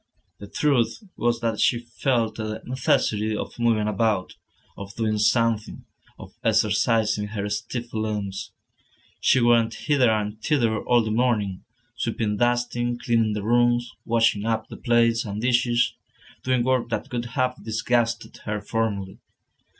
The truth was that she felt the necessity of moving about, of doing something, of exercising her stiff limbs. She went hither and thither all the morning, sweeping, dusting, cleaning the rooms, washing up the plates and dishes, doing work that would have disgusted her formerly.